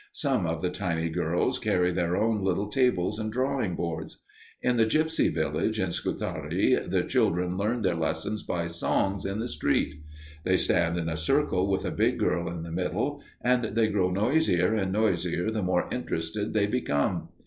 Some of the tiny girls carry their own little tables and drawing boards. In the gipsy village in Scutari the children learn their lessons by songs in the street. They stand in a circle with a big girl in the middle, and they grow noisier and noisier the more interested they become.